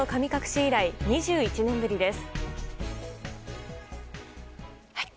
以来２１年ぶりです。